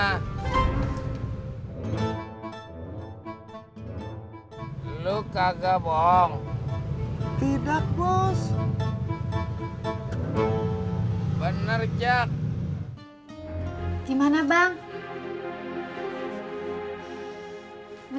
hai dia bilang kagak nemu dimana mana